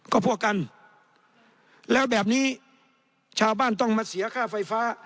ก็พวกกันแล้วแบบนี้ชาวบ้านต้องมาเสียค่าไฟฟ้า